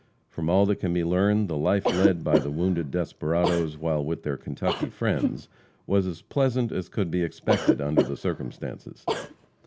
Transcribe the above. From all that can be learned, the life led by the wounded desperadoes while with their Kentucky friends was as pleasant as could be expected under the circumstances.